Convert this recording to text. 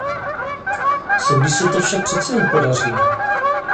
Co když se to však přece jen podaří?